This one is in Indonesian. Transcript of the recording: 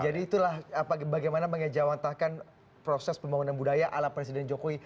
jadi itulah bagaimana mengejawatakan proses pembangunan budaya ala presiden jokowi